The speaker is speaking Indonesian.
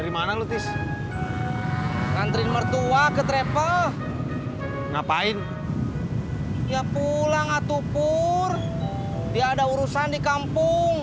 dari mana lu tis nantri mertua ke travel ngapain ia pulang atuh pur dia ada urusan di kampung